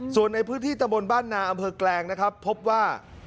ส่วนในพื้นที่ตะบนบ้านนาอำเภอแกลงนะครับพบว่า